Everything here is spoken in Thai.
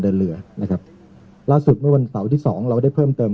เรือนะครับล่าสุดเมื่อวันเสาร์ที่สองเราได้เพิ่มเติม